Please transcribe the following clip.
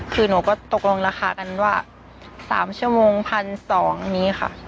คือหนูก็ตกลงราคากันว่าสามชั่วโมงพันสองนี้ค่ะ